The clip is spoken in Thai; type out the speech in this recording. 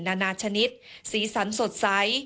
นานาชนิดสีสันสดใส